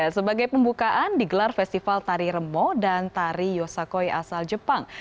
sebagai pembukaan digelar festival tari remo dan tari yosakoi asal jepang